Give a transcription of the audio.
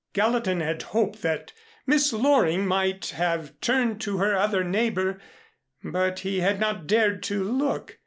Gallatin had hoped that Miss Loring might have turned to her other neighbor, but he had not dared to look.